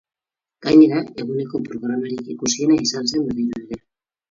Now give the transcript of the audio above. Gainera, eguneko programarik ikusiena izan zen berriro ere.